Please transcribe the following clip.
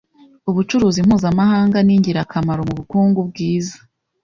Ubucuruzi mpuzamahanga ningirakamaro mubukungu bwiza.